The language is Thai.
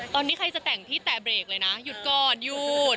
ตอนนี้ใครจะแต่งพี่แต่เบรกเลยนะหยุดก่อนหยุด